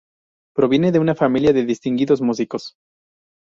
Proviene de una familia de distinguidos músicos.